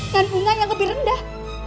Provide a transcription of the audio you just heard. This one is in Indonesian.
dan bunga yang lebih rendah